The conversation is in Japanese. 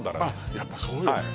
やっぱそうよね